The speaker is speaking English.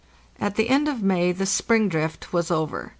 At the end of May the "spring drift" was over.